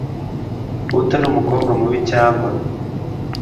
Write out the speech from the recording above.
utari umukobwa mubi cyangwa